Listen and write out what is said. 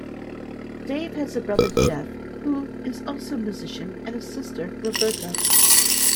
Dave has a brother, Jeff, who is also a musician, and a sister, Roberta.